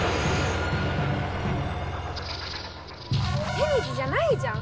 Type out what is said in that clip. テニスじゃないじゃん！